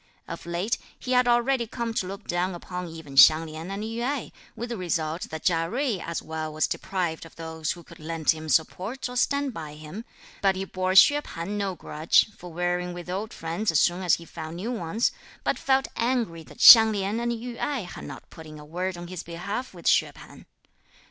Of late, he had already come to look down upon even Hsiang Lin and Yü Ai, with the result that Chia Jui as well was deprived of those who could lend him support, or stand by him; but he bore Hsüeh P'an no grudge, for wearying with old friends, as soon as he found new ones, but felt angry that Hsiang Lin and Yü Ai had not put in a word on his behalf with Hsüeh P'an.